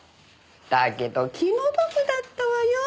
だけど気の毒だったわよ。